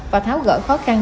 và tháo gỡ khó khăn